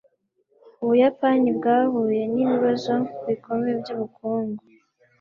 ubuyapani bwahuye nibibazo bikomeye byubukungu